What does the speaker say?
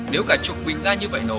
nếu cả chục bình ga như vậy nổ